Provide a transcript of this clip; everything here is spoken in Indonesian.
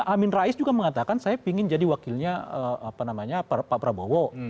amin rais juga mengatakan saya ingin jadi wakilnya pak prabowo